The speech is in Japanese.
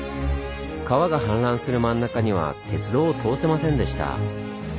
川が氾濫する真ん中には鉄道を通せませんでした。